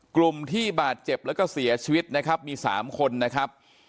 กลุ่มที่บาดเจ็บแล้วก็เสียชีวิตนะครับมี๓คนนะครับ